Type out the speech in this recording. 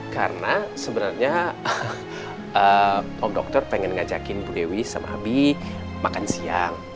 karena sebenarnya om dokter pengen ngajakin bu dewi sama abii makan siang